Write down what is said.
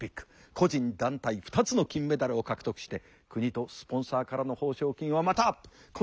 個人団体２つの金メダルを獲得して国とスポンサーからの報奨金はまた今度は５，０００万円が贈られた。